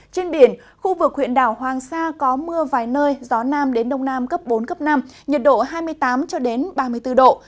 trên biển khu vực huyện đảo hoàng sa có mưa vài nơi gió nam đến đông nam cấp bốn cấp năm nhiệt độ hai mươi tám ba mươi bốn độ